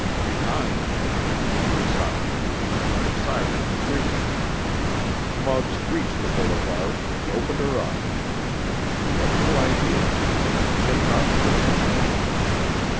Behind came the two police automobiles, their sirens shrieking. Muggs reached the boulevard, and opened her up. He had no idea except to shake off pursuit.